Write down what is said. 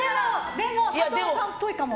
でも佐藤さんっぽいかも。